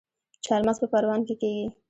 چارمغز په پروان کې کیږي